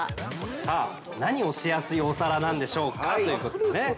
◆さあ、何をしやすいお皿なんでしょうかということでね。